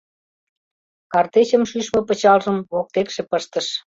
Картечьым шӱшмӧ пычалжым воктекше пыштыш.